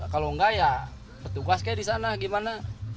kalau nggak ya petugas kayaknya di sana gimana